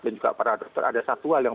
dan juga para dokter ada satu hal yang